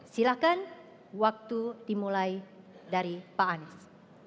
silahkan waktu dimulai dari pak anies